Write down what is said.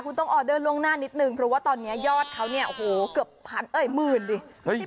คุณต้องออเดอร์ล่วงหน้านิดนึงเพราะว่าตอนนี้ยอดเขาเนี่ยโอ้โหเกือบพันเอ่ยหมื่นดิ